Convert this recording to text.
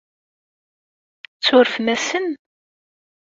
Tsurfem-asen?